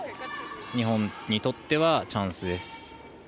日本にとってはチャンスです。